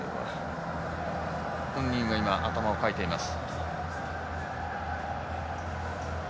本人は今、頭をかいています。